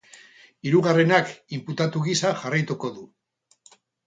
Hirugarrenak inputatu gisa jarraituko du.